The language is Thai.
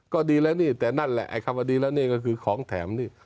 ก็ดีแล้วนี่แต่นั่นแหละไอ้คำว่าดีแล้วนี่ก็คือของแถมนี่